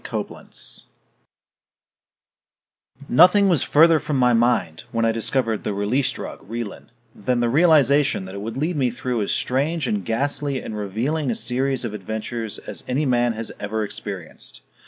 COBLENTZ I Nothing was further from my mind, when I discovered the "Release Drug" Relin, than the realization that it would lead me through as strange and ghastly and revealing a series of adventures as any man has ever experienced.